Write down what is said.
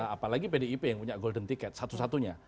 apalagi pdip yang punya golden ticket satu satunya